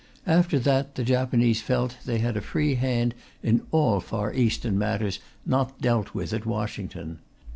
After that, the Japanese felt that they had a free hand in all Far Eastern matters not dealt with at Washington.